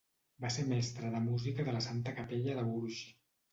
Va ser mestre de música de la Santa Capella de Bourges.